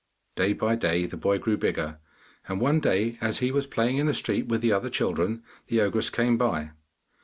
Day by day the boy grew bigger, and one day as he was playing in the street with the other children, the ogress came by.